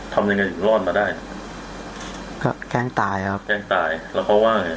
ทำยังไงรอดมาได้ก็แกล้งตายครับแกล้งตายแล้วเขาว่าไง